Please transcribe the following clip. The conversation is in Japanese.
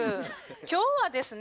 今日はですね